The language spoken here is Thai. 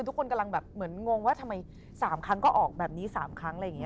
ทุกคนกำลังแบบเหมือนงงว่าทำไม๓ครั้งก็ออกแบบนี้๓ครั้ง